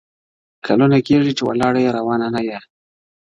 o کلونه کيږي چي ولاړه يې روانه نه يې.